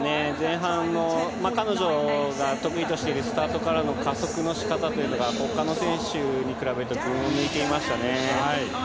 前半、彼女が得意としているスタートからの加速の仕方というのが他の選手に比べて群を抜いてましたね。